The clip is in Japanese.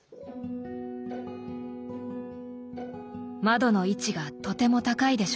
窓の位置がとても高いでしょう？